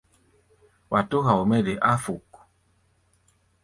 Wa tó hao mɛ́ de áfuk.